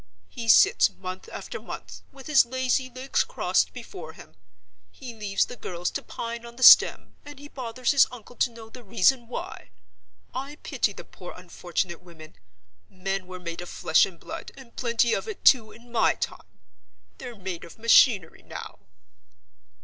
He sits month after month, with his lazy legs crossed before him; he leaves the girls to pine on the stem, and he bothers his uncle to know the reason why! I pity the poor unfortunate women. Men were made of flesh and blood, and plenty of it, too, in my time. They're made of machinery now."